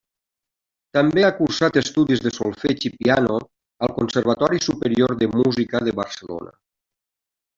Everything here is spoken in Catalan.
També ha cursat estudis de solfeig i piano al Conservatori Superior de Música de Barcelona.